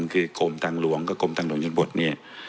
คือกรมทางหลวงก็กรมทางหลวงชนบทเนี่ย